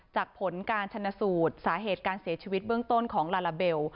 ผลการชนสูตรสาเหตุการเสียชีวิตเบื้องต้นของลาลาเบล